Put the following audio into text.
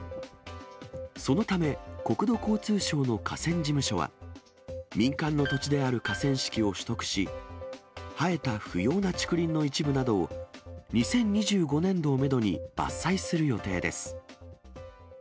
そのため、国土交通省の河川事務所は、民間の土地である河川敷を取得し、生えた不要な竹林の一部などを、２０２５年度をメドに伐採する予定です。